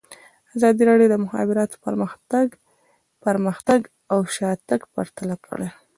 ازادي راډیو د د مخابراتو پرمختګ پرمختګ او شاتګ پرتله کړی.